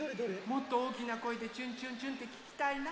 もっとおおきなこえで「チュンチュンチュン」ってききたいな。